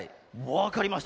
わかりました。